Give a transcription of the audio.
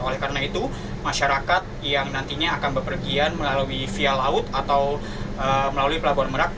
oleh karena itu masyarakat yang nantinya akan berpergian melalui via laut atau melalui pelabuhan merak